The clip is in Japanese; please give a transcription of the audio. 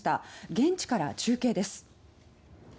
現地から中継です。